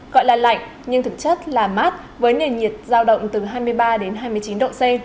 gọi là lạnh nhưng thực chất là mát với nền nhiệt giao động từ hai mươi ba đến hai mươi chín độ c